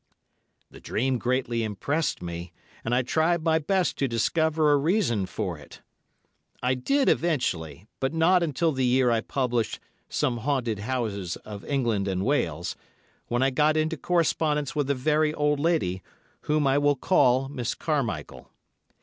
The dream greatly impressed me, and I tried my best to discover a reason for it. I did eventually, but not until the year I published "Some Haunted Houses of England and Wales," when I got into correspondence with a very old lady, whom I will call Miss Carmichael.